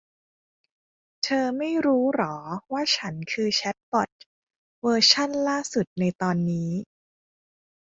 เธอไม่รู้หรอว่าฉันคือแชทบอท เวอร์ชั่นล่าสุดในตอนนี้